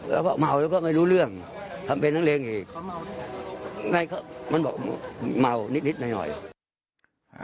แล้วก็เมาแล้วก็ไม่รู้เรื่องทำเป็นนักเลงอีกมันบอกเมานิดนิดหน่อยหน่อย